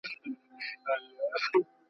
زده کوونکي څنګه د انلاین ازموینو کارونه کوي؟